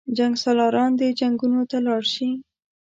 جنګسالاران دې جنګونو ته لاړ شي.